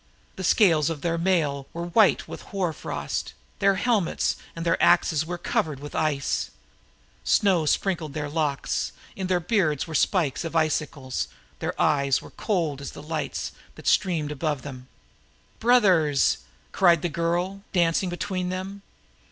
The scales of their mail were white with hoar frost; their helmets and their axes were sheathed in ice. Snow sprinkled their locks; in their beards were spikes of icicles; their eyes were cold as the lights that streamed above them. "Brothers!" cried the girl, dancing between them.